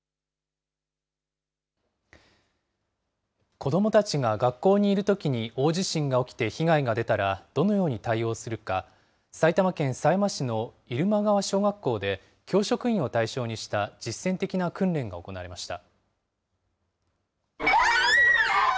子どもたちが学校にいるときに大地震が起きて被害が出たらどのように対応するか、埼玉県狭山市の入間川小学校で、教職員を対象にした実践的な訓練が行われました。